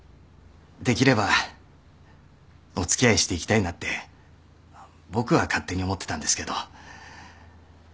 できればお付き合いしていきたいなって僕は勝手に思ってたんですけど。